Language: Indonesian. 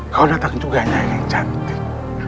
kau datang juga nyari yang cantik